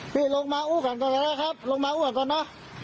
พี่ลงมาอู้ขันตอนแล้วครับลงมาอู้ขันตอนน่ะ